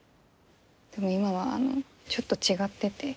でも今はあのちょっと違ってて。